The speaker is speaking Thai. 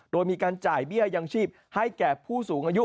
โดยมีการจ่ายเบี้ยยังชีพให้แก่ผู้สูงอายุ